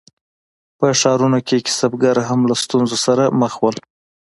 په ښارونو کې کسبګر هم له ستونزو سره مخ وو.